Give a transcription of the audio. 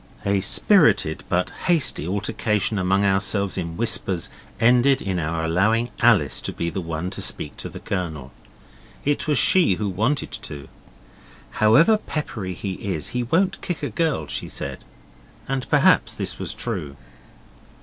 A spirited but hasty altercation among ourselves in whispers ended in our allowing Alice to be the one to speak to the Colonel. It was she who wanted to. 'However peppery he is he won't kick a girl,' she said, and perhaps this was true.